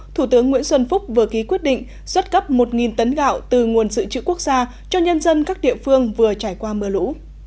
thủ tướng nguyễn xuân phúc vừa ký quyết định xuất cấp một tấn gạo từ nguồn dự trữ quốc gia cho nhân dân các địa phương vừa trải qua mưa lũ